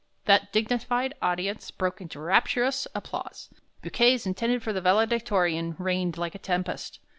That dignified audience broke into rapturous applause; bouquets intended for the valedictorian rained like a tempest.